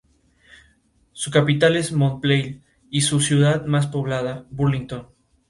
Su capital es Montpelier y su ciudad más poblada, Burlington.